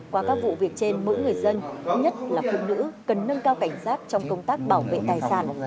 qua các vụ việc trên mỗi người dân nhất là phụ nữ cần nâng cao cảnh giác trong công tác bảo vệ tài sản